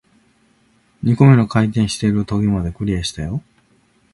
二個目の回転している棘まで、クリアしたよ